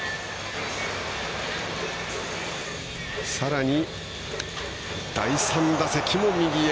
さらに、第３打席も右へ。